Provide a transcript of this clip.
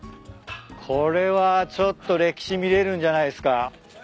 これはちょっと歴史見れるんじゃないっすか？